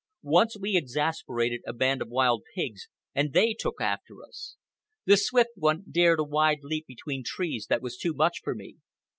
Once we exasperated a band of wild pigs, and they took after us. The Swift One dared a wide leap between trees that was too much for me.